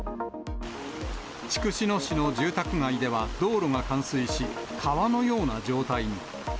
筑紫野市の住宅街では道路が冠水し、川のような状態に。